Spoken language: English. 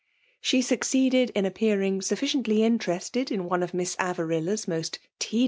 She sue* oecdf d in appearing sufficiently interested in Qoe 9f Mifls AvtriUa*s most tediow?